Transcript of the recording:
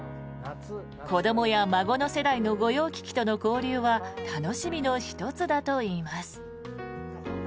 子どもや孫の世代の御用聞きとの交流は楽しみの１つだといいます。